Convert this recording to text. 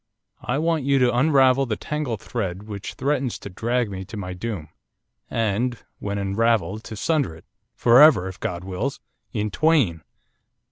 I want you to unravel the tangled thread which threatens to drag me to my doom, and, when unravelled to sunder it for ever, if God wills! in twain.